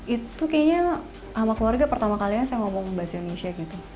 itu kayaknya sama keluarga pertama kalinya saya ngomong bahasa indonesia gitu